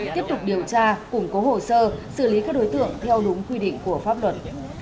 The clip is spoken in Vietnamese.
tiếp tục điều tra củng cố hồ sơ xử lý các đối tượng theo đúng quy định của pháp luật